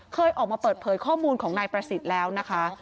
เคยออกมาเปิดเผยข้อมูลของนายประสิทธิ์แล้วนะคะ